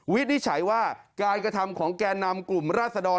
วินิจฉัยว่าการกระทำของแก่นำกลุ่มราศดร